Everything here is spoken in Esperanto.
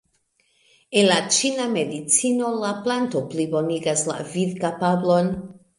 En la ĉina medicino la planto plibonigas la vidkapablon.